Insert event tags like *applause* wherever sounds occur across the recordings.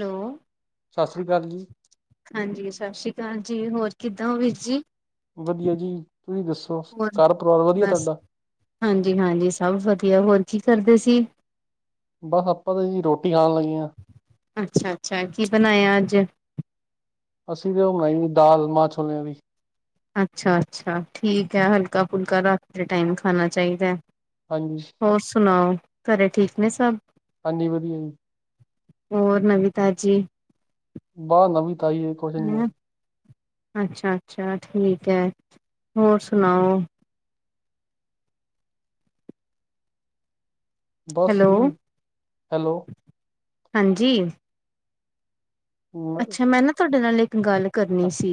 Hello ਸਤਿ ਸ਼੍ਰੀ ਅਕਾਲ ਜੀ ਹਾਂਜੀ, ਸਤਿ ਸ੍ਰੀ ਅਕਾਲ ਜੀ ਹੋਰ ਕਿੱਦਾਂ ਹੋ ਵੀਰ ਜੀ ਵਧੀਆ ਜੀ, ਤੁਸੀਂ ਦੱਸੋ ਹੋਰ ਘਰ ਪਰਿਵਾਰ ਵਧੀਆ ਬਸ ਤੁਹਾਡਾ ਹਾਂਜੀ, ਹਾਂਜੀ ਸਭ ਵਧੀਆ ਹੋਰ ਕੀ ਕਰਦੇ ਸੀ? ਬਸ ਆਪਾਂ ਤਾਂ ਜੀ ਰੋਟੀ ਖਾਣ ਲਗੇ ਆ ਅੱਛਾ, ਅੱਛਾ ਕੀ ਬਣਾਇਆ ਅੱਜ ਅਸੀਂ ਤੇ ਉਹ ਬਣਾਈ ਦਾਲ ਮਾਹ ਛੋਲਿਆਂ ਦੀ ਅੱਛਾ, ਅੱਛਾ ਠੀਕ ਐ ਹਲਕਾ ਫੁਲਕਾ ਰਾਤ ਦੇ ਟਾਈਮ ਖਾਣਾ ਚਾਹੀਦੇ ਹਾਂਜੀ ਹੋਰ ਸੁਣਾਓ ਘਰੇ ਠੀਕ ਨੇ ਸਭ ਹਾਂਜੀ ਵਧੀਆ ਜੀ ਹੋਰ ਨਵੀਂ ਤਾਜੀ ਬਸ ਨਵੀ ਤਾਜੀ ਐ ਅੱਛਾ, ਅੱਛਾ ਠੀਕ ਐ ਹੋਰ ਸੁਣਾਓ? ਬਸ ਹੈਲੋ ਹੂੰ, ਹੈਲੋ ਹਾਂਜੀ ਅੱਛਾ ਮੈਂ ਨਾ ਤੁਹਾਡੇ ਨਾਲ ਇੱਕ ਗੱਲ ਕਰਨੀ ਸੀ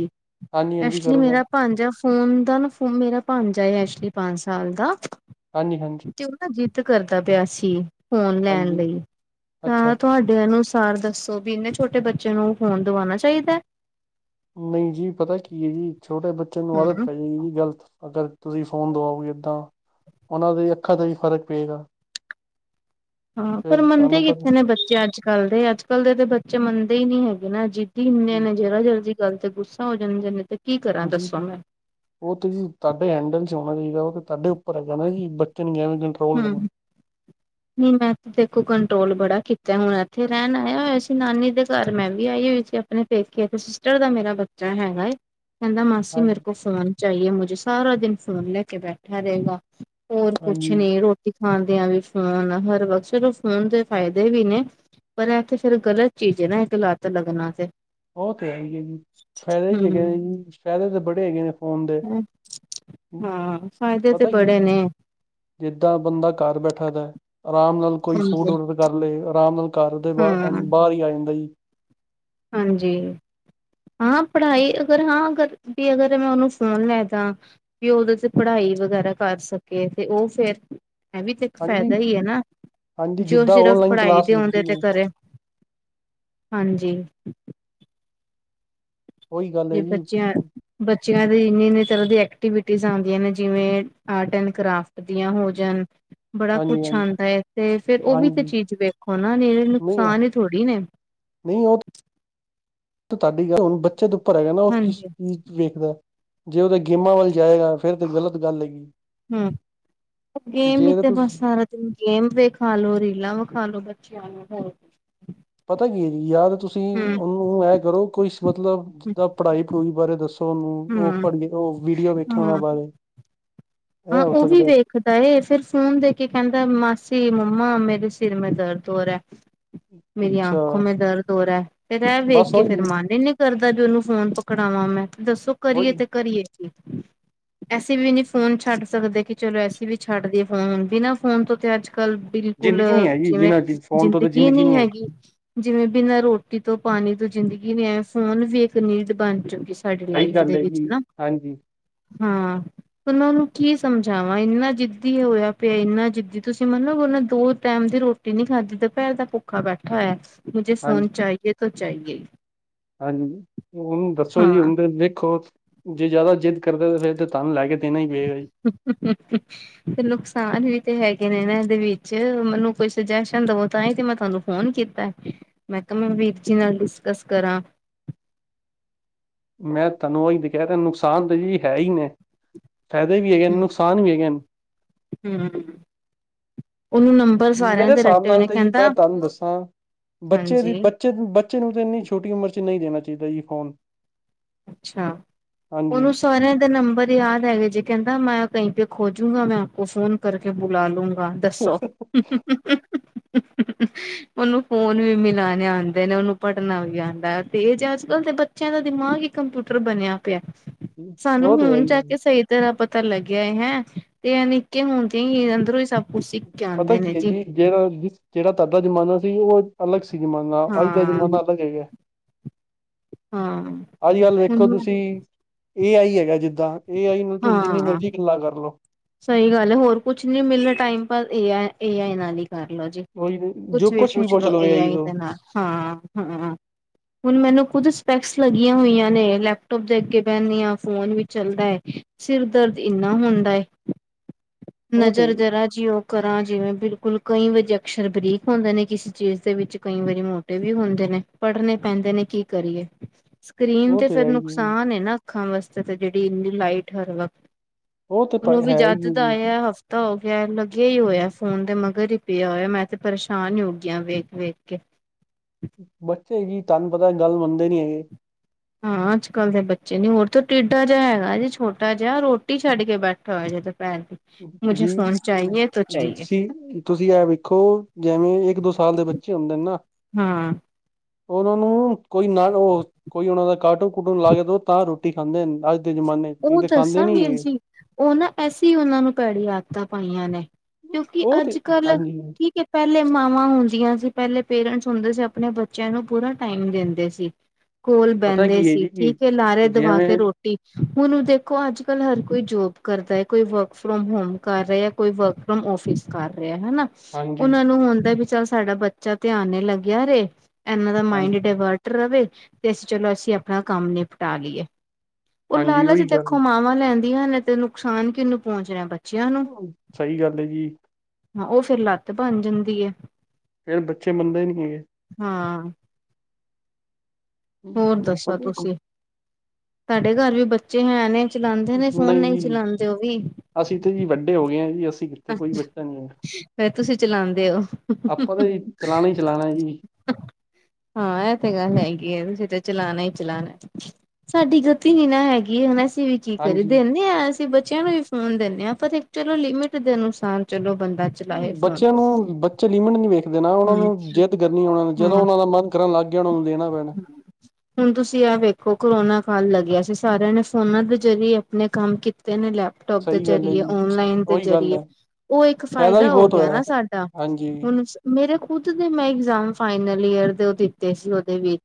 ਹਾਂਜੀ ਹਾਂਜੀ ਐਕਚੁਲੀ ਕਰੋ ਗੱਲ ਮੇਰਾ ਭਾਣਜਾ ਉਨ ਦਾ ਨਾ ਫੋਨ ਮੇਰਾ ਭਾਂਜਾ ਹੈ ਐਕਚੁਲੀ ਪੰਜ ਸਾਲ ਦਾ ਹਾਂਜੀ, ਹਾਂਜੀ ਉਹ ਨਾ ਜਿੱਦ ਕਰਦਾ ਪਿਆ ਸੀ ਫੋਨ ਲੈਣ ਹਾਂਜੀ ਲਈ ਅੱਛਾ ਤਾਂ ਅੱਛਾ ਤੁਹਾਡੇ ਅਨੁਸਾਰ ਦੱਸੋ ਵੀ ਇਹਨੇ ਛੋਟੇ ਬੱਚੇ ਨੂੰ ਫੋਨ ਦਵਾਣਾ ਚਾਈਦੇ ਨਹੀਂ ਜੀ ਪਤਾ ਕੀ ਐ ਜੀ ਛੋਟੇ ਬੱਚੇ ਨੂੰ ਆਦਤ ਹੂੰ। ਪੈ ਜੇਗੀ ਜੀ ਗ਼ਲਤ ਅਗਰ ਤੁਸੀਂ ਫ਼ੋਨ ਦਵਾਓਗੇ ਐਦਾ ਉਹਨਾਂ ਦੇ ਅੱਖਾਂ ਤੇ ਵੀ ਫ਼ਰਕ ਪਏਗਾ ਹਾਂ ਪਰ ਫਿਰ ਮੰਨਦੇ ਤੁਹਾਨੂੰ ਪਤਾ ਕਿੱਥੇ ਨੇ ਬੱਚੇ ਅੱਜ ਕੱਲ੍ਹ ਦੇ ਅੱਜ ਕੱਲ੍ਹ ਦੇ ਤਾਂ ਬੱਚੇ ਮੰਨਦੇ ਹੀ ਨੀ ਹੈਗੇ ਨਾ ਜਿ *unintelligible* ਜਰਾ ਜ਼ਰਾ ਜੀ ਗੱਲ ਤੇ ਗੁੱਸਾ ਹੋ ਜਾਂਦੀਆਂ ਨੇ ਤੇ ਕੀ ਕਰਾਂ ਜੀ ਦੱਸੋ ਮੈਂ। ਉਹ ਤੇ ਤੁਹਾਡੇ ਹੈਂਡਲ ਚ ਹੋਣਾ ਚਾਹੀਦਾ ਉਹ ਤੇ ਤੁਹਾਡੇ ਉੱਪਰ ਹੈਗਾ ਨਾ ਜੀ ਬੱਚੇ ਨੂੰ ਕੇਵੇ ਹੂੰ ਨਹੀਂ ਮੈਂ ਤੇ ਦੇਖੋ ਕੰਟਰੋਲ ਬੜਾ ਕੀਤਾ ਹੁਣ ਇੱਥੇ ਰਹਿਣ ਆਇਆ ਹੋਇਆ ਸੀ ਨਾਨੀ ਦੇ ਘਰ ਮੈਂ ਵੀ ਆਈ ਹੋਈ ਸੀ ਅ ਆਪਣੇ ਪੇਕੇ ਤੇ ਸਿਸਟਰ ਦਾ ਮੇਰਾ ਬੱਚਾ ਹੈਗਾ ਏ ਕਹਿੰਦਾ ਮਾਸੀ ਮੇਰੇ ਹਾਂਜੀ ਕੋ ਫੋਨ ਚਾਹੀਏ ਮੁਝੇ ਸਾਰਾ ਦਿਨ ਫ਼ੋਨ ਲੈ ਕੇ ਬੈਠਾ ਰਹੇਗਾ ਹੋਰ ਕੁ ਹਾਂਜੀ ਰੋਟੀ ਖਾਣ ਦਿਆਂ ਵੀ ਫੋਨ ਹਰ ਵਕਤ ਚਲੋ ਫੋਨ ਦੇ ਫ਼ਾਇਦੇ ਵੀ ਨੇ ਪਰ ਇੱਥੇ ਫੇਰ ਗ਼ਲਤ ਚੀਜ਼ ਹੈ ਨਾ ਇੱਕ ਲੱਤ ਲੱਗਣਾ ਤੇ। ਉਹ ਤਾਂ ਹੈਗੇ ਹੈ ਜੀ ਫਾਇਦੇ ਵੀ ਹੈਗੇ ਨੇ ਹੂੰ ਜੀ ਫਾਇਦੇ ਤਾਂ ਬੜੇ ਹੈਗੇ ਨੇ ਫੋਨ ਦੇ। ਹਾਂ ਫਾਇਦੇ ਤੇ ਪਤਾ ਬੜੇ ਕੀ ਨੇ। ਜਿੱਦਾਂ ਬੰਦਾ ਘਰ ਬੈਠਾ ਦਾ ਐ ਆਰਾਮ ਨਾਲ ਕੋਈ ਫੂਡ ਹਾਂਜੀ ਔਡਰ ਕਰ ਲਏ ਆਰਾਮ ਨਾਲ ਘਰ ਦੇ ਬਾਹਰ- ਹਾਂ ਬਾਹਰ ਹੀ ਆ ਜਾਂਦਾ ਜੀ। ਹਾਂਜੀ। ਹਾਂ ਪੜ੍ਹਾਈ ਅਗਰ ਹਾਂ ਅਗਰ ਬੀ ਅਗਰ ਮੈਂ ਉਹਨੂੰ ਫੋਨ ਲੈ ਦਾ ਵੀ ਉਦੇ ਤੇ ਪੜ੍ਹਾਈ ਵਗੈਰਾ ਕਰ ਸਕੇ ਤੇ ਉਹ ਫਿਰ ਇਹ ਵੀ ਤੇ ਇੱਕ ਹਾਂਜੀ ਫਾਇਦਾ ਹੀ ਹੈ ਨਾ ਹਾਂਜੀ ਜੇ ਉਹ ਜਿੱਦਾਂ ਸਿਰਫ ਔਨਲਾਈਨ ਪੜ੍ਹਾਈ ਕਲਾਸ ਦੇ ਆਉਂਦੇ ਲੱਗਦੀ ਤੇ ਹੈ ਕਰੇ। ਹਾਂਜੀ। ਉਹੀ ਗੱਲ ਹੈ ਜੇ ਜੀ ਬੱਚਿਆਂ ਬੱਚਿਆਂ ਦੀ ਇੰਨੀ -ਇੰਨੀ ਤਰ੍ਹਾਂ ਦੀ ਐਕਟੀਵਿਟੀਜ ਆਂਦੀਆ ਨੇ ਜਿਵੇਂ ਆਰਟ ਐਂਡ ਕਰਾਫ ਵਧੀਆਂ ਹੋ ਜਾਣ ਬੜਾ ਕੁਝ ਹਾਂਜੀ ਹਾਂਜੀ ਆਂਦਾ ਐ ਤੇ ਫੇਰ ਉਹ ਵੀ ਤੇ ਹਾਂਜੀ ਚੀਜ਼ ਵੇਖੋ ਨਾ ਨੇ ਨਹੀਂ ਨੁਕਸਾਨ ਹੀ ਥੋੜ੍ਹੀ ਨੇ। ਨਹੀਂ ਉਹ ਤੇ ਤੁਹਾਡੀ ਗੱਲ ਹੁਣ ਬੱਚੇ ਦੇ ਉੱਪਰ ਹੈਗਾ ਨਾ ਉਹ ਕਿਸ ਹਾਂਜੀ ਚੀਜ਼ ਵੇਖਦਾ। ਜੇ ਉਹਦੇ ਗੇਮਾਂ ਵੱਲ ਜਾਏਗਾ ਫੇਰ ਤੇ ਗਲਤ ਗੱਲ ਹੈਗੀ। ਹੂ ਗੇਮ ਈ ਜੇ ਤਾਂ ਤੇ ਬਸ ਤੁਸੀਂ ਸਾਰਾ ਗੇਮ ਵਿਖਾਲੋ ਰੀਲਾਂ ਵਿਖਾਲੋ ਬੱਚਿਆਂ ਨੂੰ ਹੋਰ ਪਤਾ ਕੀ ਹੈ ਜੀ ਯਾ ਤੁਸੀਂ ਹਮ ਉਹਨੂੰ ਐ ਕਰੋ ਕੋਈ ਸ ਮਤਲਬ ਤਾ ਪੜ੍ਹਾਈ ਪੜੂਈ ਬਾਰੇ ਦੱਸੋ ਉਹਨੂੰ ਉਹ ਹਮ ਪੜ੍ਹ ਉਹ ਵੀਡੀਓ ਵੇਖਿਆ ਉਹਨਾਂ ਹਾਂ ਬਾਰੇ। ਇਹ ਹਾਂ ਹੋ ਉਹ ਵੀ ਸਕਦਾ ਵੇਖਦੇ ਤਾਂਏ ਫਿਰ ਫੋਨ ਦੇ ਕੇ ਕਹਿੰਦਾ ਮਾਸੀ ਮੰਮਾ ਮੇਰੇ ਸਿਰ ਮੈਂ ਦਰਦ ਹੋ ਰਿਹਾ। ਮੇਰੀ ਅੱਛਾ ਆਂਖੋ ਮੈਂ ਦਰਦ ਹੋ ਰਿਹਾ ਹੈ। ਫੇਰ ਇਹ ਵੇਖ ਬਸ ਕੇ ਫੇਰ ਉਹੀ ਮਨ ਹੀ ਨੀ ਕਰਦਾ ਬੀ ਉਹਨੂੰ ਫੋਨ ਪਕੜਾਵਾਂ ਮੈਂ ਦੱਸੋ ਕਰੀਏ ਉਹੀ ਤੇ ਕਰੀਏ ਐਸੇ ਵੀ ਨਹੀਂ ਫੋਨ ਚ ਛੱਡ ਸਕਦੇ ਕਿ ਚਲੋ ਐਸੀ ਵੀ ਛੱਡ ਦੇਏ ਫੋਨ ਬਿਨਾਂ ਫੋਨ ਤੋਂ ਤੇ ਅੱਜ- ਕੱਲ ਬਿਲਕੁਲ ਜ਼ਿੰਦਗੀ ਨੀ ਹੈਗੀ ਜਿਵੇਂ ਬਿਨਾਂ ਫੋਨ ਤੋਂ ਤਾਂ ਜ਼ਿੰਦਗੀ ਨਹੀ ਨੀ ਹੈਗੀ। ਜਿਵੇਂ ਬਿਨਾਂ ਰੋਟੀ ਤੋਂ ਪਾਣੀ ਤੋਂ ਜ਼ਿੰਦਗੀ ਨੀ ਐ ਫੋਨ ਵੀ ਇੱਕ ਨੀਡ ਬਣ ਚੁੱਕੀ ਸੀ। ਸਾਡੀ ਸਹੀ ਲਾਈਫ ਗੱਲ ਦੇ ਹੈ ਵਿੱਚ ਜੀ ਨਾ ਹਾਂਜੀ ਹਾਂ ਉਹਨਾਂ ਨੂੰ ਕੀ ਸਮਝਾਵਾਂ ਇੰਨਾ ਜਿੱਦੀ ਹੋਇਆ ਪਿਆ ਇੰਨਾ ਜਿੱਦੀ ਤੁਸੀਂ ਮੰਨੋਗੇ ਉਹਨਾ ਦੋ ਟਾਈਮ ਦੀ ਰੋਟ ਟੀ ਨਹੀਂ ਖਾਧੀ ਦੁਪਹਿਰ ਦਾ ਭੁੱਖਾ ਬੈਠਾ ਹੋਇਆ ਮੁਝੇ ਫੋਨ ਹਾਂਜੀ ਚਾਹੀਏ ਤੋ ਚਾਹੀਏ ਹੀ। ਹਾਂਜੀ, ਉਹਨੂੰ ਦੱਸੋ ਜੀ ਹੁਣ ਦੇਖੋ ਜੇ ਜ਼ਿਆਦਾ ਜਿੱਦ ਕਰਦਾ ਤਾਂ ਫੇਰ ਤਾਂ ਤੁਹਾਨੂੰ ਲੈ ਕੇ ਦੇਣਾ ਹੀ ਪਏਗਾ ਜੀ। ਹਮਮ *inaudible* ਤੇ ਨੁਕਸਾਨ ਵੀ ਤੇ ਹੈਗੇ ਨੇ ਇਹਨਾਂ ਇਹਦੇ ਵਿੱਚ ਮੈਨੂੰ ਕੋਈ ਸੁਜੈਸ਼ਨ ਦਵੋ ਤਾਂ ਹੀ ਤੇ ਮੈਂ ਤੁਹਾਨੂੰ ਫੋਨ ਕੀਤਾ ਮੈਂ ਕਿਹਾ ਮੈਂ ਵੀਰ ਜੀ ਨਾਲ ਡਿਸਕਸ ਕਰਾਂ। ਮੈਂ ਤੁਹਾਨੂੰ ਉਹੀ ਕੇਹ ਰਹਿਆ ਨੁਕਸਾਨ ਤਾਂ ਜੀ ਹੈ ਹੀ ਨੇ ਫ਼ਾਇਦੇ ਵੀ ਹੈਗੇ ਨੇ ਨੁਕਸਾਨ ਵੀ ਹੈਗੇ ਨੇ। ਹੂ- ਹੂ ਉਹਨੂੰ ਨਮ ਮੇਰੇ ਹਿਸਾਬ ਨਾਲ ਤੇ ਜੀ ਮੈਂ ਤੁਹਾਨੂੰ ਦੱਸਾਂ ਬੱਚੇ ਦੀ ਹਾਂਜੀ ਬੱਚ ਬੱਚੇ -ਬੱਚੇ ਨੂੰ ਤਾਂ ਇੰਨੀ ਛੋਟੀ ਉਮਰ ਚ ਨਹੀਂ ਦੇਣਾ ਚਾਹੀਦਾ ਜੀ ਫੋਨ। ਅੱਛਾ ਹਾਂਜੀ ਉਹਨੂੰ ਸਾਰਿਆਂ ਦੇ ਨੰਬਰ ਯਾਦ ਹੈਗਾ ਜੇ ਕਹਿੰਦਾ ਮੈਂ ਕਹੀ ਪੇ ਖੋਜੂਗਾ ਮੈਂ ਆਪ ਕੋ ਫੋਨ ਕਰਕੇ ਬੁਲਾ ਲੂੰਗਾ। ਦੱਸੋ। ਉਹਨੂੰ ਫੋਨ ਵੀ ਮਿਲਾਣੇ ਆਂਦਾ ਐ ਨ ਉਹ ਨੂੰ ਪੜ੍ਹਨਾ ਵੀ ਆਂਦਾ ਐ ਤੇਜ ਐ ਅੱਜ- ਕੱਲ ਦੇ ਬੱਚਿਆਂ ਦਾ ਦਿਮਾਗ ਕੰਪਿਊਟਰ ਬਨਿਆ ਪੇਐ, ਸਾਨੂੰ ਉਹ ਤੇ ਹੈ ਹੁਨ ਹੀ ਹੈ ਜਾ ਜੀ। ਕੇ ਸਹੀ। ਤੇਰਾ ਪਤਾ ਲੱਗਿਐ ਹੈਂ, ਤੇ ਐ ਨਿੱਕੇ ਹੁੰਦੇ ਈ ਅੰਦਰੋਂ ਈ ਸੱਬ। ਪਤਾ ਕੀ ਐ ਜੀ, ਜੇੜਾ ਜਿਸ, ਜੇੜਾ ਤਾਡਾ ਜ਼ਮਾਨਾ ਸੀ ਓਹ ਅਲੱਗ ਸੀ ਜ਼ਮਾਨਾ, ਅੱਜ ਦਾ ਹਾਂ ਜ਼ਮਾਨਾ ਅਲੱਗ ਹੈਗਾ। ਹਾਂ। ਅੱਜ ਕੱਲ੍ਹ ਵੇਖੋ ਹੁਣ ਤੁਸੀਂ ਏ, ਆਈ, ਹੈਗਾ। ਜਿੱਦਾਂ ਏ, ਆਈ, ਨੂੰ ਤੁਸੀਂ ਜਿੰਨੀ ਹਾਂ ਮਰਜ਼ੀ ਗੱਲਾ ਕਰ ਲੋ। ਸਹੀ ਗੱਲ ਐ, ਹੋਰ ਕੁਛ ਨੀ ਮਿਲਨਾ ਟਾਈਮ ਪਰਏ ਐ, ਏ, ਆਈ, ਨਾਲ ਈ। ਕਰਲੋ ਜੀ, ਉਹੀ ਜੋ ਕੁੱਛ ਵੀ ਕੁਛ ਪੁੱਛ ਲੋੋ ਲਓ ਏ, ਆਈ, ਤੋਂ ਦੇ ਨਾਲ। ਹਾਂ, ਹਾਂ। ਹੁਨ ਮੈਨੂੰ ਕੁੱਝ ਸਪੈਕਸ ਲੱਗੀਆਂ ਹੋਈਆਂ ਨੇ। ਲੈਪਟੋਪ ਦੇ ਅੱਗੇ ਬਹਿੰਨੀ ਆ, ਫੋਨ ਵੀ ਚੱਲਦੈ। ਸਿਰ ਦਰਦ ਇੰਨਾ ਹੁੰਦਾ ਏ। ਉਹ ਨਜ਼ਰ ਤੇ ਜਰਾ ਜੀ, ਉਹ ਕਰਾਂ ਜਿਵੇਂ ਬਿਲਕੁਲ ਕਈ ਵਾਰੀ ਅਕਸ਼ਰ ਬਰੀਕ ਹੁੰਦੇ ਨੇ ਕਿਸੇ ਚੀਜ਼ ਦੇ ਵਿੱਚ, ਕਈ ਵਾਰੀ ਮੋ ਟੇ ਵੀ ਹੁੰਦੇ ਨੇ, ਪੜ੍ਹਨੇ ਪੈਂਦੇ ਨੇ, ਕੀ ਕਰੀਏ? ਸਕਰੀਨ ਉਹ ਤੇ ਫੇਰ ਹੈ ਹੀ ਹੈ ਜੀ। ਨੁਕਸਾਨ ਏ ਨਾ ਅੱਖਾਂ ਵਾਸਤੇ, ਤੇ ਜੇਹੜੀ ਇੰਨੀ ਲਾਈਟ ਹਰ ਵਕਤ ਉਹ ਤੇ ਪ ਉਨੂੰ ਵੀ ਹੈ ਜੱਦ ਹੀ ਹੈ ਦਾ ਜੀ ਆਇਆ, ਹਫ ਹਫਤਾਂ ਹੋ ਗਿਆ, ਲੱਗਿਆ ਈ ਹੋਇਐ ਫੋਨ ਦੇ ਮਗਰ ਈ ਪੇਆ ਹੋਇਐ, ਮੈਂ ਤੇ ਪਰੇਸ਼ਾਨ ਈ ਹੋਗਿਆ, ਵੇਖ- ਵੇਖ ਕੇ। ਬੱਚੇ ਹੈਗੇ, ਤੁਹੰਨ ਪਤੈ ਗੱਲ ਮੰਨਦੇ ਨੀ ਹੈਗੇ। ਹਾਂ, ਅੱਜ ਕੱਲ ਦੇ ਬੱਚੇ ਨੀ, ਹੋਰ ਤਾਂ ਟਿਡਾ ਜੇਆ ਹੈਗਾ ਜੇ, ਛੋਟਾ ਜੇਆ, ਰੋਟੀ ਛੱਡ ਕੇ ਬੈਠਾ। ਧੋਏ ਜੇ ਤੇ ਪੈਰ *unintelligible* ਜੀ ਸੀ। ਤੁਸੀਂ ਐ ਵੇਖੋ, ਜੈਵੇਂ ਇੱਕ ਦੋ- ਸਾਲ ਦੇ ਬੱਚੇ ਹੁੰਦੇ ਨਾ। ਹਾਂ। ਓਨਾਂ ਨੂੰ ਕੋਈ ਨਾਲ ਹੋਰ ਕੋਈ ਓਨਾਂ ਦਾ ਕਾਰਟੂਨ- ਕਾਰਟੂਨ ਲਾ ਕੇ ਦੋ ਤਾਂ ਰੋਟੀ ਖਾਂਦੇ ਨ, ਅੱਜ ਦੇ ਜਮਾਨੇ 'ਚ ਨਈ ਤਾਂ ਖਾਂਦੇ ਨੀ। ਓ ਨਾ, ਐਸੀ ਓਨਾਂ ਨੂੰ ਭੈੜੀ ਆਦਤਾਂ ਪਾਈਆਂ ਨੇ, ਕਿਉਂਕਿ ਉਹ ਤੇ ਅੱਜ -ਕੱਲ ਹਾਂਜੀ ਠੀਕ ਐ। ਪਹਿਲੇ ਮਾਵਾਂ ਹੁੰਦੀਆਂ ਸੀ, ਪਹਿਲੇ ਪੇਰੈਂਟਸ ਹੁੰਦੇ ਸੀ, ਅਪਨੇ ਬੱਚਿਆਂ ਨੂੰ ਪੂਰਾ ਟਾਈਮ ਦੇਂਦੇ ਸੀ। ਕੋਲ ਪਤਾ ਬਹਿੰਦੇ ਕੀ ਹੈ ਸੀ, ਜੀ ਠੀਕ ਏ ਲਾਰੇ ਦਵਾ ਕੇ ਜਿਵੇਂ ਰੋਟੀ ਹੁਨ ਦੇਖੋ, ਅੱਜ -ਕੱਲ ਹਰ ਕੋਈ ਜੋਬ ਕਰਦੈ, ਕੋਈ ਵਰਕ ਫਰੋਮ ਹੋਮ ਕਰ ਰੇਆ। ਕੋਈ ਵਰਕ ਫਰੋਮ ਔਫਿਸ ਕਰ ਰੇਆ, ਹੈਨਾ? ਹਾਂਜੀ ਓਨਾਂ ਨੂੰ ਹੁੰਦਾ ਬਈ, ਚੱਲ ਸਾਡਾ ਬੱਚਾ ਧਿਆਨੇ ਲੱਗਿਆ ਰੇ, ਏਨਾਂ ਦਾ ਹਾਂ ਮਾਇੰਡ ਡਾਇਵਰਟ ਰਵੇ, ਤੇ ਅਸੀਂ ਚਲੋ ਅਸੀਂ ਆਪਣਾ ਕੰਮ ਨਿਪਟਾ ਲਈਏ। ਉਹ ਹਾਂਜੀ ਲਾਲਚ ਉਹੀ ਗੱਲ ਦੇਖੋ, ਮਾਵਾਂ ਲੈਂਦੀਆਂ ਨੇ ਤੇ ਨੁਕਸਾਨ ਕਿਨੂੰ ਪਹੁੰਚਨੈ? ਬੱਚਿਆਂ ਨੂੰ। ਸਹੀ ਗੱਲ ਏ ਜੀ। ਹਾਂ, ਓ ਫਿਰ ਲੱਤ ਬਨ ਜਾਂਦੀ ਐ। ਫਿਰ ਬੱਚੇ ਮੰਨਦੇ ਨੀ ਹੈਗੇ। ਹਾਂ। ਹੋਰ ਦੱਸੋ ਤੁਸੀਂ, ਤੁਹਾਡੇ ਘਰ ਵੀ ਬੱਚੇ ਹੈ ਨੇ? ਚਲਾਂਦੇ ਨੇ ਫੋਨ, ਨਈ ਨਹੀਂ ਜੀ ਚਲਾਂਦੇ ਓ ਵੀ? ਅਸੀਂ ਤੇ ਜੀ ਵੱਡੇ ਹੋ ਗਏ ਆ ਜੀ, ਅਸੀਂ। ਤੇ ਕੋਈ ਬੱਚਾ ਨੀ ਐ, ਫੇਰ ਤੁਸੀਂ ਚਲਾਉਂਦੇ ਹੋ ਆਪਾਂ ਤੇ ਜੀ ਚਲਾਨੈ ਈ ਚਲਾਨੈ ਜੀ। ਹਾਂ, ਐ ਤੇ ਗੱਲ ਹੈਗੀ ਏ, ਤੁਸੀਂ ਤੇ ਚਲਾਨੈ ਈ ਚਲਾਨੈ। ਸਾਡੀ ਗਤੀ ਨੀ ਨਾ ਹੈਗੀ ਹੁਨ, ਅਸੀਂ ਵੀ ਕੀ ਕਰੀ ਹਾਂਜੀ। ਦੇਂਨੇ ਆ, ਅਸੀਂ ਬੱਚਿਆਂ ਨੂੰ ਵੀ ਫੋਨ ਦੇਂਨੇ ਆ, ਪਰ ਇੱਕ ਚਲੋ ਲਿਮਿਟ ਦੇ ਅਨੁਸਾਰ ਚਲੋ ਬੰਦਾ ਚਲਾਏ ਫੋਨ ਬੱਚਿਆਂ ਨੂੰ, ਬੱਚੇ ਲਿਮਿਟ ਨੀ ਵੇਖਦੇ ਨਾ ਓਨਾਂ ਹੂੰ ਨੂੰ ਜਿੱਦ ਕਰਨੀ, ਓਨਾਂ ਜਦੋਂ ਓਨਾਂ ਦਾ ਮਨ ਕਰਨ ਲਗ ਗਿਆ, ਉਨੂੰ ਦੇਨਾ ਪੈਨ। ਹਮ *inaudible* ਹੁਣ, ਤੁਸੀਂ ਆ ਵੇਖੋ, ਕਰੋਨਾ ਕਾਲ ਲੱਗਿਆ ਸੀ, ਸਾਰਿਆਂ ਨੇ ਫੋਨਾਂ ਦੇ ਜ਼ਰੀਏ, ਆਪਣੇ ਕੰਮ ਕੀਤੇ ਨੇ ਲੈਬ। ਲੈਪਟੋਪ ਦੇ ਸਹੀ ਗੱਲ ਹੈ ਜਰੀਏ, ਜੀ ਔਨਲਾਈਨ ਦੇ ਉਹੀ ਗੱਲ ਜਰੀਏ, ਹੈ ਉਹ ਇੱਕ ਵੀ ਫਾਇਦਾ ਹੋ ਬਹੁਤ ਗਿਆ ਨਾ, ਹੋਇਆ। ਸਾਡਾ ਹਾਂਜੀ, ਹੁਣ। ਮੇਰੇ ਖੁਦ ਦੇ, ਮੈਂ ਇਗਜ਼ਾਮ ਫਾਈਨਲ ਈਅਰ ਦੇ, ਉਹ ਦਿੱਤੇ ਸੀ ਉਹਦੇ ਵਿੱਚ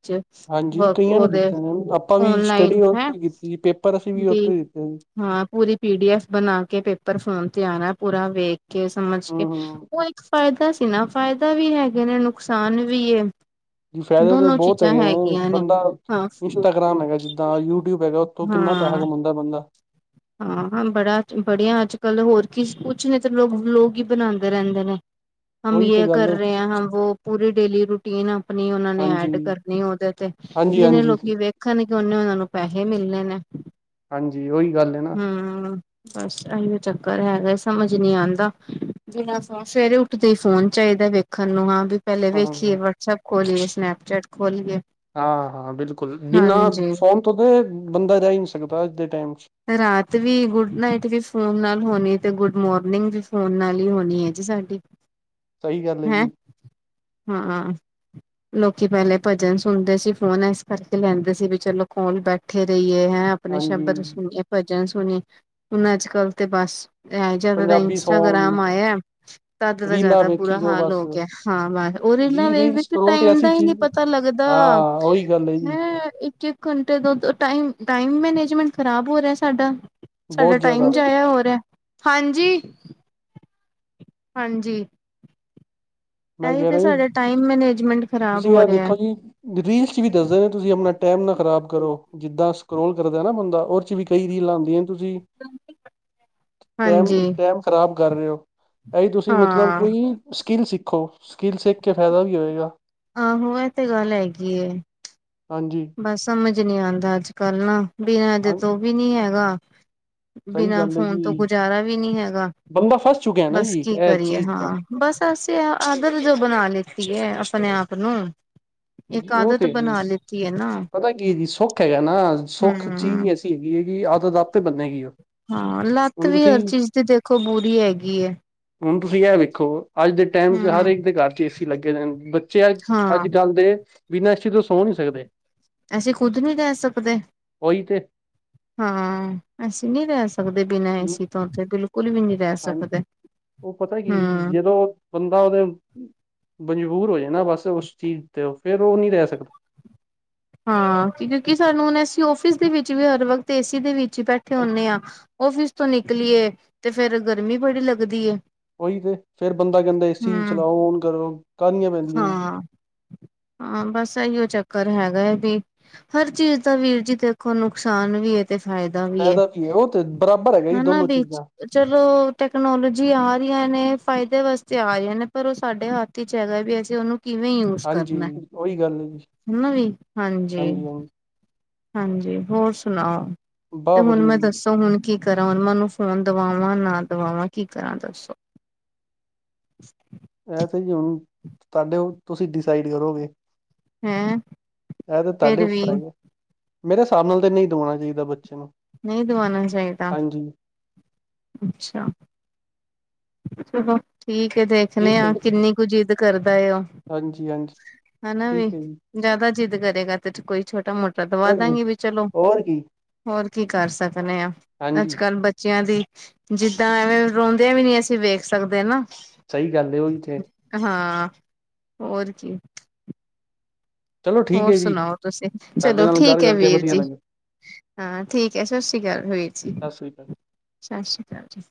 ਹਾਂਜੀ ਵਕ, ਕਈਆਂ ਨੇ ਉਹਦੇ ਦਿੱਤੇ ਨੇ ਆਪਾਂ ਵੀ ਓਨਲਾਈਨ ਸਟੱਡੀ ਹੈ ਉੱਥੇ ਕੀਤੀ ਜੀ ਪੇਪਰ ਅਸੀਂ ਵੀ। ਉੱਥੇ ਦਿੱਤੇ ਜੀ। ਹਾਂ ਪੂਰੀ ਪੀ ਡੀਐਫ ਬਣਾ ਕੇ, ਪੇਪਰ ਫੋਮ ਤੇ ਆਣਾ ਪੂਰਾ ਵੇਖ ਕੇ ਸਮਝ ਕੇ। ਹੂੰ, ਹੂੰ ਉਹ ਇੱਕ ਫਾਇਦਾ ਸੀ, ਨਾ ਫਾਇਦਾ ਵੀ ਹੈਗੇ ਨੇ, ਨੁਕਸਾਨ ਵੀ। ਜੀ ਫਾਇਦੇ ਤੇ ਦੋਨੋ ਬਹੁਤ। ਚੀਜ਼ਾਂ ਹੈਗੀਆਂ ਨੇ ਬੰਦਾ ਹਾਂ ਇੰਸਟਾਗ੍ਰਾਮ ਹੈਗਾ, ਜਿੱਦਾਂ ਯੂਟਿਊਬ ਹੈਗਾ, ਉੱਥੋਂ ਕਿੰਨਾ ਪੈਸਾ ਕਮਾਉਂਦਾ ਬੰਦਾ। ਹਾਂ- ਹਾਂ, ਬੜਾ ਬੜੀਆਂ, ਅੱਜ ਕੱਲ੍ਹ ਹੋਰ ਕੀ ਕੁਛ ਨੇ ਤਾਂ ਲੋਕ ਹੀ ਬਲਾਗ ਬਣਾਉਂਦੇ ਰਹਿੰਦੇ ਨੇ। ਹਮ ਉਹੀ ਤੇ ਯ ਗੱਲ ਕਰ ਹੈ। ਰਹੇ ਆ, ਹਮ ਪੂਰੀ ਡੇਲੀ ਰੂਟੀਨ, ਆਪਣੀ ਉਹਨਾਂ ਨੇ ਹਾਂਜੀ, ਐਡ ਕਰਨੀ ਉਹਦੇ ਤੇ। ਹਾਂਜੀ- ਜਿੰਨੇ ਹਾਂਜੀ। ਲੋਕੀ ਵੇਖਣ ਕਿ, ਉਹਨੇ ਉਹਨਾਂ ਨੂੰ ਪੈਸੇ ਮਿਲਣੇ ਨੇ। ਹਾਂਜੀ, ਉਹੀ ਗੱਲ ਨਾ। ਹਮ। ਬਸ ਇਹੀਓ, ਚੱਕਰ ਹੈਗਾ ਸਮਝ ਨੀ ਆਉਂਦਾ, ਜਿਹੜਾ ਸਵੇਰੇ ਉੱਠਦੇ ਫੋਨ ਚਾਹੀਦਾ ਵਖ। ਖਣ ਨੂੰ, ਹਾਂ ਵੀ ਪਹਿਲੇ ਹਾਂ। ਵੇਖੀਏ, ਵਟਸਐਪ ਖੋਲਲੀਏ ਸਨੈਪਚੈਟ ਖੋਲੀਏ। ਹਾਂ ਹਾਂ ਬਿਲਕੁਲ ਬਿਨਾਂ ਹਾਂਜੀ ਫੋਨ ਤੋਂ ਤੇ ਬੰਦਾ ਜਾ ਰਹਿ ਨਹੀਂ ਸਕਦਾ ਅੱਜ ਦੇ ਟਮ ਰਾਤ ਵੀ ਗੁੱਡ ਨਾਈਟ ਵੀ, ਫੋਨ ਨਾਲ ਹੋਣੀ ਤੇ, ਗੁੱਡ ਮੋਰਨਿੰਗ ਵੀ ਫੋਨ ਨਾਲ ਹੀ ਹੋਣੀ ਹੈ। ਸਾਡੀ। ਸਹੀ ਗੱਲ ਹੈ ਜੀ। ਹੂੰ। ਲੋਕੀ, ਪਹਿਲੇ ਭਜਨ ਸੁਣਦੇ ਸੀ, ਫੋਨ ਇਸ ਕਰਕੇ ਲੈਂਦੇ ਸੀ। ਵੀ ਚਲੋ ਕੋਲ ਬੈਠੇ ਰਹੀਏ ਹੈਂ। ਆਪਣੇ ਹਾਂਜੀ ਸ਼ਬਦ ਸੁਣੀਏ, ਭਜਨ ਸੁਣੀ ਹੁਣ ਅੱਜ ਕੱਲ੍ਹ ਤੇ ਬਸ। ਜਦ ਦਾ ਪੰਜਾਬੀ ਸੌਂਗ ਇੰਸਟਾਗ੍ਰਾਮ ਆਇਆ, ਤਦ ਦਾ ਰੀਲਾਂ ਜਿਆਦਾ ਵੇਖੀ ਬੁਰਾ ਜਾਓ ਹਾਲ ਬਸ ਹੋ ਗਿਆ। ਹਾਂ ਬਸ ਉਹ ਜੀ ਰੀਲਾਂ ਵੇਖ, ਰੀਲ ਵਖ ਸਕਰੋਲ ਤੇ ਟਾਈਮ ਐਸੀ ਦਾ ਹੀ ਨਹੀਂ ਚੀਜ਼ ਪਤਾ ਲੱਗਦਾ ਹਾਂ ਉਹੀ ਗੱਲ ਹੈ ਜੀ ਹੈਂ ਇੱਕ -ਇੱਕ। ਘੰਟੇ ਤੋਂ, ਟਮ ਟਾਈਮ ਮੈਨੇਜਮੈਂਟ ਖ਼ਰਾਬ ਹੋ ਰਿਹਾ, ਸਾਡਾ। ਸਾਡਾ ਬਹੁਤ ਟਾਈਮ ਜ਼ਿਆਦਾ ਜਾਇਆ ਹੋ ਰਿਹਾ ਹਾਂਜੀ। ਹਾਂਜੀ। ਮੈਂ, ਇਹੀ ਕਹਿ ਤੇ ਰਿਹਾ ਸਾਡਾ ਜੀ, ਟਾਈਮ ਮੈਨੇਜਮੈਂਟ ਖ਼ਰਾਬ ਤੁਸੀਂ ਹੋ ਇਹ ਰਿਹਾ ਦੇਖੋ ਜੀ। ਰੀਲ ਚ ਵੀ ਦੱਸਦੇ ਨੇ, ਤੁਸੀਂ ਆਪਣਾ ਟਾਈਮ ਨਾ ਖ਼ਰਾਬ ਕਰੋ ਜਿੱਦਾਂ। ਸਕਰੋਲ ਕਰਦਾ ਨਾ ਬੰਦਾ, ਉਹਦੇ ਚ ਵੀ ਕਈ ਰੀਲਾਂ ਆਉਂਦੀਆਂ। ਤੁਸੀਂ ਟੈਮ ਹਾਂਜੀ ਟੈਮ। ਖ਼ਰਾਬ ਕਰ ਰਹੇ ਹੋ, ਇ ਤੁਸੀਂ ਮਤਲਬ ਹਾਂ ਕੋਈ ਸਕਿੱਲ ਸੀ। ਦੇਖੋ, ਸਕਿੱਲ ਸਿੱਖ ਕੇ ਫਾਇਦਾ ਵੀ ਹੋਵੇਗਾ। ਆਹੋ, ਇਹ ਤੇ ਗੱਲ ਹੈਗੀ। ਹਾਂਜੀ। ਬਸ ਸਮਝ ਨੀ ਆਉਂਦਾ, ਅੱਜ ਕੱਲ ਨਾ ਬਿਨਾਂ ਇਜੇ ਹਾਂ ਤੋਂ ਵੀ ਨੀ ਹੈਗਾ। ਸਹੀ ਬਿਨਾਂ ਗੱਲ ਹੈ ਫੋਨ ਤੋਂ, ਜੀ ਗੁਜ਼ਾਰਾ ਵੀ ਨਹੀਂ ਹੈਗਾ ਬੰਦਾ ਫਸ ਚੁੱਕਿਆ ਨਾ ਬਸ ਜੀ ਕੀ ਇਹ ਕਰੀਏ ਚੀਜ਼ ਤੋਂ ਹਾਂ। ਬਸ ਅਸੀਂ ਆਦਤ ਜੋ ਬਣਾ ਲਤੀ ਹੈ, ਆਪਣੇ ਆਪ ਨੂੰ। ਇੱਕ ਜੀ ਉਹ ਆਦਤ ਤੇ ਜੀ ਬਣਾ ਲਤੀ। ਪਤਾ ਕੀ ਜੀ ਸੁੱਖ ਹੈਗਾ ਨਾ, ਸੁੱਖ ਹਮ ਚੀਜ਼ ਐਸੀ ਹੈਗੀ ਹੈਗੀ ਆਦਤ ਆਪ ਤੇ ਬੰਨੇਗੀ ਉਹ। ਹਾਂ ਲੱਤ ਹੁਣ ਵੀ, ਤੁਸੀਂ ਹਰ ਚੀਜ਼ ਦੀ, ਦੇਖੋ ਬੁਰੀ ਹੈਗੀ ਹੈ। ਹੁਣ ਤੁਸੀਂ, ਇਹ ਵੇਖੋ ਅੱਜ ਦੇ ਟਾਈਮ ਚ ਹਮ ਹਰੇਕ ਦੇ, ਘਰ ਚ ਏ ਸੀ ਲੱਗੇ ਨੇ। ਬੱਚੇ ਹਾਂ ਅੱਜ ਕੱਲ੍ਹ ਦੇ, ਬਿਨਾਂ ਏਸੀ ਤੋਂ ਸੋਂ ਨਹੀਂ ਸਕਦੇ। ਅਸੀਂ ਖੁੱਦ ਨਹੀਂ ਰਹਿ ਸਕਦੇ ਉਹੀ ਤੇ ਹਾਂ, ਅਸੀਂ ਨੀ ਰਹਿ ਸਕਦੇ। ਸਕਦੇ ਬਿਨਾਂ ਏਸੀ ਤੋਂ, ਤੇ ਬਿਲਕੁਲ ਵੀ ਨਹੀਂ ਰਹਿ ਹਾਂਜੀ ਸਕਦੇ, ਉਹ ਪਤਾ ਕੀ ਹੂੰ। ਜਦੋਂ ਬੰਦਾ ਉਹਦੇ ਮਜਬੂਰ ਹੋ ਜਾਂਦਾ ਨਾ ਬਸ ਉਸ ਚੀਜ਼ ਤੇ, ਉਹ ਫੇਰ ਉਹ ਨਹੀਂ ਰਹਿ ਸਕਦਾ। ਹਾਂ, ਕਿਉਂਕਿ ਸਾਨੂੰ ਹੁਣ ਅਸੀਂ ਔਫਿਸ ਦੇ ਵਿੱਚ ਵੀ ਹਰ ਵਕਤ ਏਸੀ ਦੇ ਵਿੱਚ ਈ ਬੈਠੇ ਹੁੰਨੇ ਆ। ਓਫਿਸ ਤੋਂ ਨਿਕਲੀਏ, ਤੇ ਫੇਰ ਗਰਮੀ ਬੜੀ ਲੱਗਦੀ ਏ। ਓਈ ਤੇ, ਫੇਰ ਬੰਦਾ ਕਹਿੰਦਾ ਏਸੀ ਚਲਾਓ, ਕਾਲੀਆਂ ਪੈਂਦੀਆਂ। ਹਾਂ ਹਾਂ, ਬਸ ਐਈਓ ਚੱਕਰ ਹੈ ਗਾ ਹੈ ਵੀ, ਹਰ ਚੀਜ਼ ਦਾ ਵੀਰ ਜੀ ਦੇਖੋ, ਨੁਕਸਾਨ ਵੀ ਏ ਤੇ ਫਾਇਦਾ ਵੀ ਏ। ਓ ਤੇ, ਬਰਾਬਰ ਹੈਗਾ ਜੀ ਦੋਨੋ ਚੀਜ਼ਾਂ। ਚਲੋ ਟੈਕਨੋਲੋਜੀ ਆ ਰਹੀਆਂ ਨੇ, ਫਾਇਦੇ ਵਾਸਤੇ ਆ ਰਹੀਆਂ ਨੇ, ਪਰ ਉਹ ਸਾਡੇ ਹੱਥ ਚਾਈਦਾ ਵੀ, ਅਸੀਂ ਉਹਨੂੰ ਕਿਵੇਂ ਯੂਜ ਹਾਂਜੀ ਕਰਨੈ? ਉਹੀ ਗੱਲ ਹੈ ਜੀ ਹਨਾ ਵੀ, ਹਾਂਜੀ। ਹਾਂਜੀ, ਹੋਰ ਸੁਣਾਓ? ਤੇ ਬਹੁਤ ਹੁਣ, ਮੈਂ ਵਧੀਆ ਜੀ ਦੱਸੋ ਹੁਣ ਕੀ ਕਰਾਂ, ਹਨਮਨ ਨੂੰ ਫੋਨ ਦਵਾਵਾਂ, ਨਾ ਦਵਾਵਾਂ ਕੀ ਕਰਾਂ ਦੱਸੋ? ਐਸੇ ਜੀ ਹੁਣ, ਤੁਹਾਡੇ, ਤੁਸੀਂ ਡਿਸਾਈਡ ਕਰੋਗੇ। ਹੈਂ ਐ ਤੇ ਤੁਹਾਡੇ ਫਿਰ ਵੀ ਉੱਪਰ ਹੈ, ਮੇਰੇ ਹਿਸਾਬ ਨਾਲ ਤੇ ਨਹੀਂ ਦਵਾਣਾ ਚਾਹੀਦਾ ਬੱਚੇ ਨੂੰ। ਨਹੀਂ ਦਵਾਣਾ ਚਾਹੀਦਾ, ਹਾਂਜੀ ਅੱਛਾ। ਚਲੋ ਠੀਕ ਏ, ਦੇਖ ਦੇਖਨੇ ਠੀਕ ਹੈ ਆ, ਜੀ ਕਿੰਨੀ ਕ ਜਿੱਦ ਕਰਦਾ ਆ ਏ, ਉਹ ਹਾਂਜੀ ਹਾਂਜੀ ਹਨਾ ਵੀ। ਠੀਕ ਹੈ ਜੀ ਜਿਆਦਾ ਜਿੱਦ ਕਰੇਗਾ, ਤੇ ਕੋਈ ਛੋਟਾ-ਮ੍ਹੋਟਾ ਦਵਾ ਫਿਰ ਦਾਂਗੇ ਵੀ ਚਲੋ। ਹੋਰ ਕੀ ਹੋਰ ਕੀ ਕਰ ਸਕਨੇ ਆਂ, ਹਾਂਜੀ ਅੱਜ-ਕੱਲ ਬੱਚਿਆਂ ਦੀ ਜਿੱਦਾਂ, ਐਵੇਂ, ਰੋਂਦਿਆਂ ਵੀ ਨੀ ਅਸੀ ਵੇਖ ਸਕਦੇ ਨਾ। ਸਹੀ ਗੱਲ ਏ, ਉਹ ਵੀ ਹਾਂ, ਹੋਰ ਕੀ। ਚਲੋ ਠੀਕ ਹੋਰ ਹੈ ਜੀ ਸੁਣਾਓ ਤੁਸੀਂ, ਤੁਹਾਡੇ ਚਲੋ ਨਾਲ ਗੱਲ ਠੀਕ ਏ ਕਰਕੇ ਵੀਰ ਵਧੀਆ ਜੀ। ਲੱਗੇ ਹਾਂ ਠੀਕ ਏ, ਸਤਿ ਸ਼੍ਰੀ ਅਕਾਲ‌ ਵੀਰ ਜੀ, ਸਤਿ ਸ੍ਰੀ ਅਕਾਲ ਸਤਿ ਸ੍ਰੀ ਅਕਾਲ ਜੀ।